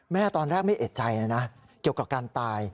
แม่ตอนแรกไม่เอ็ดใจนะเกี่ยวกับการตาย